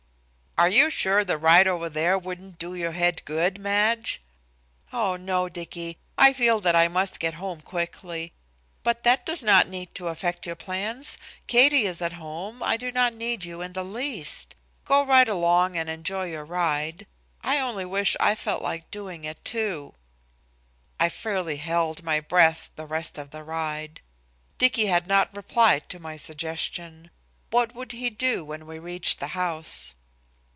"Are you sure the ride over there wouldn't do your head good, Madge?" "Oh, no, Dicky, I feel that I must get home quickly. But that does not need to affect your plans. Katie is at home. I do not need you in the least. Go right along and enjoy your ride. I only wish I felt like doing it, too." I fairly held my breath the rest of the ride. Dicky had not replied to my suggestion. What would he do when we reached the house?